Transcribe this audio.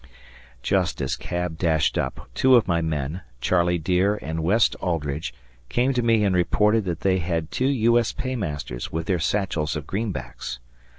Just as Cab dashed up, two of my men, Charlie Dear and West Aldridge, came to me and reported that they had two U. S. Paymasters with their satchels of greenbacks.